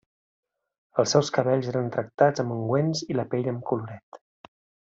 Els seus cabells eren tractats amb ungüents i la pell amb coloret.